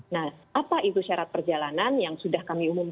nah apa itu syarat perjalanan yang sudah kami umumkan